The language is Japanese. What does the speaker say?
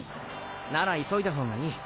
なら急いだ方がいい。